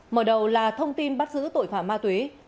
mở đầu là thông tin bắt giữ tội phạm ma túy